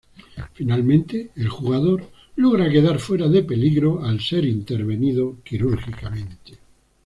Finalmente el jugador logra quedar fuera de peligro al ser intervenido quirúrgicamente.